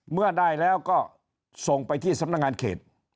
เมื่อได้แล้วก็ส่งไปที่สำนักงานเขต